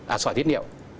à sỏi thiết niệm